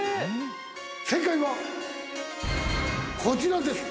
正解はこちらです。